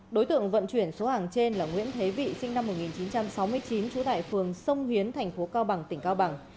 đối tượng vận chuyển số hàng trên là nguyễn thế vị sinh năm một nghìn chín trăm sáu mươi chín trú tại phường sông hiến thành phố cao bằng tỉnh cao bằng